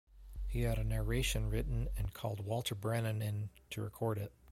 He had a narration written and called Walter Brennan in to record it.